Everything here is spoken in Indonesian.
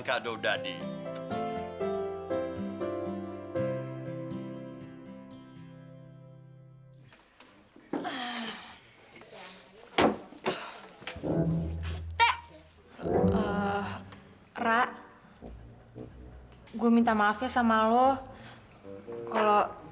gak ada black